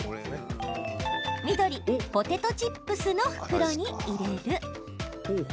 緑・ポテトチップスの袋に入れる。